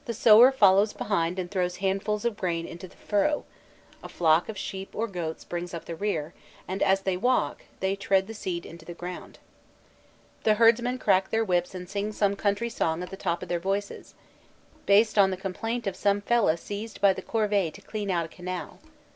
The sower follows behind and throws handfuls of grain into the furrow: a flock of sheep or goats brings up the rear, and as they walk, they tread the seed into the ground. The herdsmen crack their whips and sing some country song at the top of their voices, based on the complaint of some fellah seized by the corvée to clean out a canal.